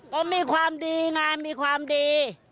ก็มีความดีงานมีความดี